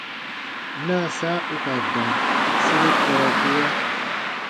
Naasa u ka da sere kɔrɔkuɔ.